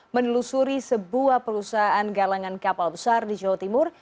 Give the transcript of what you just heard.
menelusuri sebuah perusahaan galangan kapal besar di jawa timur